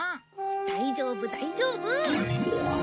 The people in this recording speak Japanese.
大丈夫大丈夫。